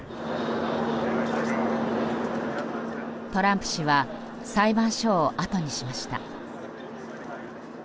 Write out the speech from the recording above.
トランプ氏は裁判所をあとにしました。